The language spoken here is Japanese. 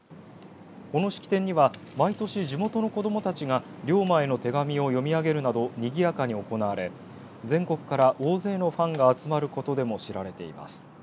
この式典には毎年地元の子どもたちが龍馬への手紙を読み上げるなどにぎやかに行われ、全国から大勢のファンが集まることでも知られています。